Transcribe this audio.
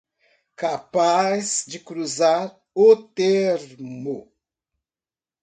Capaz de cruzar o termo